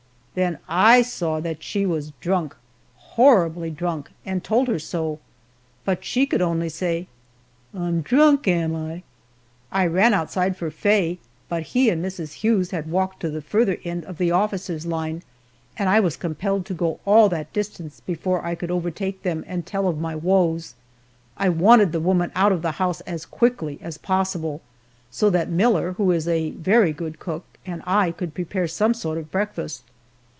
Then I saw that she was drunk, horribly drunk, and told her so, but she could only say, "I'm drunk, am I?" I ran outside for Faye, but he and Mrs. Hughes had walked to the farther end of the officers' line, and I was compelled to go all that distance before I could overtake them and tell of my woes. I wanted the woman out of the house as quickly as possible, so that Miller who is a very good cook and I could prepare some sort of a breakfast.